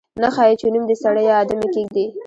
نه ښايي چې نوم دې سړی یا آدمي کېږدي.